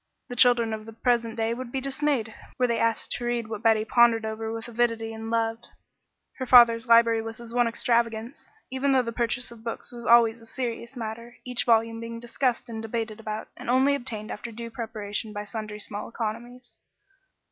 The children of the present day would be dismayed were they asked to read what Betty pondered over with avidity and loved. Her father's library was his one extravagance, even though the purchase of books was always a serious matter, each volume being discussed and debated about, and only obtained after due preparation by sundry small economies.